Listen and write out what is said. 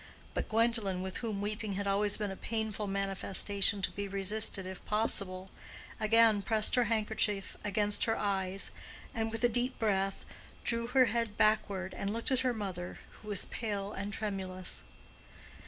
But Gwendolen, with whom weeping had always been a painful manifestation to be resisted, if possible, again pressed her handkerchief against her eyes, and, with a deep breath, drew her head backward and looked at her mother, who was pale and tremulous.